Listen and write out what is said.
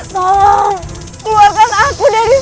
tolong keluarkan aku dari